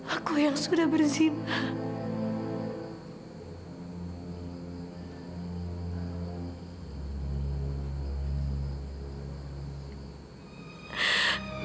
aku yang sudah berzina